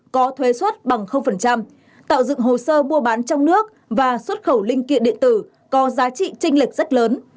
có thuế xuất bằng tạo dựng hồ sơ mua bán trong nước và xuất khẩu linh kiện điện tử có giá trị tranh lệch rất lớn